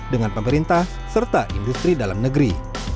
dengan pemerintah serta industri dalam negeri